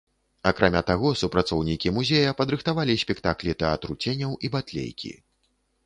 Акрамя таго, супрацоўнікі музея падрыхтавалі спектаклі тэатру ценяў і батлейкі.